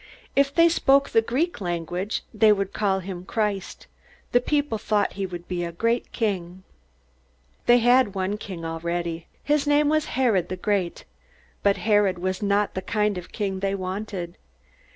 If they spoke the Greek language, they would call him "Christ." The people thought he would be a great king. They had one king already. His name was Herod the Great. But Herod was not the kind of king they wanted.